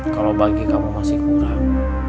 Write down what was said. kalau bagi kamu masih kurang